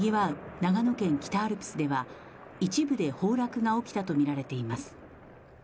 長野県北アルプスでは一部で崩落が起きたと見られています